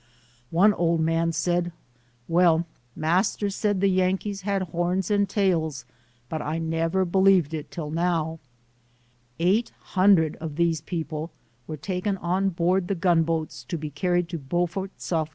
One old man said, "Well, Master said the Yankees had horns and tails but I never believed it till now". Eight hundred of these people were taken on board the gunboats to be carried to Beaufort, S. C.